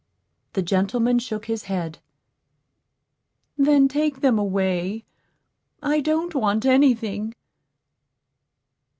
The gentleman shook his head. "Then take them away. I don't want any thing."